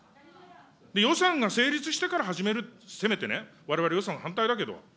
予算が成立したから始める、せめてね、われわれ予算反対だけど。